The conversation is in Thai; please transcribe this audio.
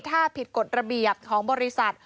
ถ้าผิดกฎระเบียบของบริษัท